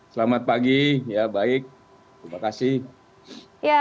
selamat pagi ya baik terima kasih